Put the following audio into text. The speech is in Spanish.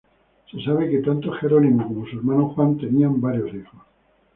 Se sabe que tanto Jerónimo como su hermano Juan, tenían varios hijos.